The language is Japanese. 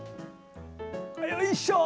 よいしょ！